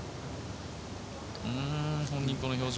本人この表情。